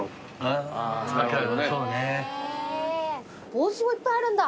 帽子もいっぱいあるんだ。